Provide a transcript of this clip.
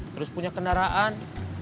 terus punya kendaraan